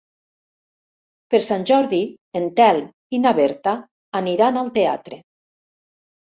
Per Sant Jordi en Telm i na Berta aniran al teatre.